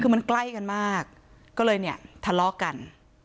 คือมันใกล้กันมากก็เลยเนี่ยทะเลาะกัน